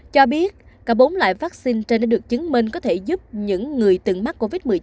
cho biết cả bốn loại vaccine trên đã được chứng minh có thể giúp những người từng mắc covid một mươi chín